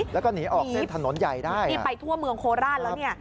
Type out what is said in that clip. แล้วก็หนีออกในถนนใหญ่ได้นี่ไปทั่วเมืองโคราชแล้วเนี่ย